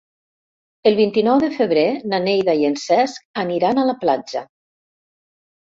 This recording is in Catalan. El vint-i-nou de febrer na Neida i en Cesc aniran a la platja.